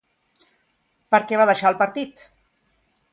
Per què va deixar el partit?